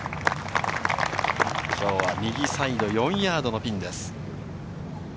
きょうは右サイド、４ヤードのピンです。